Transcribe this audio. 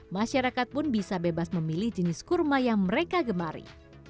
masyarakat pun bisa bebas memilih jenis kurma yang mereka gemari